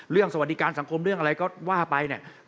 สวัสดิการสังคมเรื่องอะไรก็ว่าไปเนี่ย